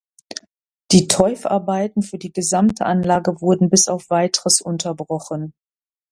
Die Teufarbeiten für die gesamte Anlage wurden bis auf weiteres unterbrochen.